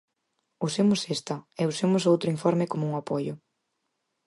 Usemos esta, e usemos o outro informe como un apoio.